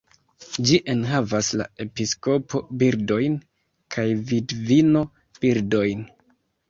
Ĝi enhavas la "episkopo-birdojn" kaj "vidvino-birdojn".